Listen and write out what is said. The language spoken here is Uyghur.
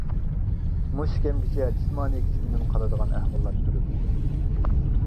مۇشۇ كەمگىچە جىسمانىي كۈچۈمدىن قالىدىغان ئەھۋاللار كۆرۈلمىدى.